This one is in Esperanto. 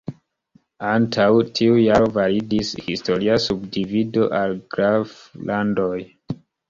Antaŭ tiu jaro validis historia subdivido al "graflandoj".